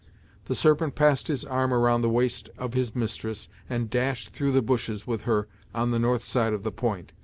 The Serpent passed his arm round the waist of his mistress and dashed through the bushes with her, on the north side of the point.